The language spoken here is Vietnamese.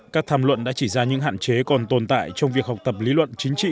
các tham luận đã chỉ ra những hạn chế còn tồn tại trong việc học tập lý luận chính trị